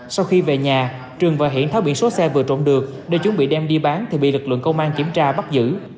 sau khi về nhà trường và hiển tháo biển số xe vừa trộm được để chuẩn bị đem đi bán thì bị lực lượng công an kiểm tra bắt giữ